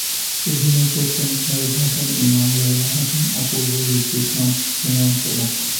অভিনয় করেছেন সৈয়দ হাসান ইমাম, লায়লা হাসান, অপূর্ব, রিচি, শামস সুমন প্রমুখ।